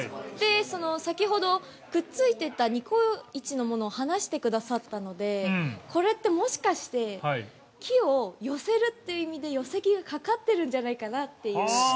先ほど、くっついてたニコイチのものを離してくださったのでこれってもしかして木を寄せるって意味で、寄木がかかってるんじゃないかなという。